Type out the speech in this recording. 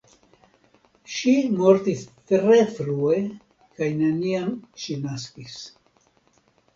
Ŝi mortis tre frue kaj neniam ŝi naskis.